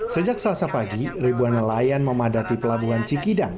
sejak selasa pagi ribuan nelayan memadati pelabuhan cikidang